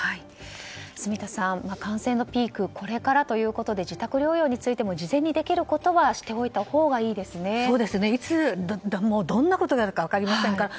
住田さん、感染のピークはこれからということで自宅療養についても事前にできることはいつどんなことがあるか分かりませんから。